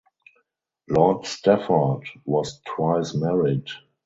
Lord Stafford was twice married.